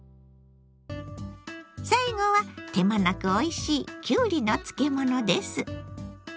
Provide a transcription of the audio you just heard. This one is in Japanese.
最後は手間なくおいしいきゅうりの漬物です。